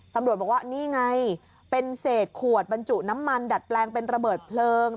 ตำรวจบอกว่านี่ไงเป็นเศษขวดบรรจุน้ำมันดัดแปลงเป็นระเบิดเพลิง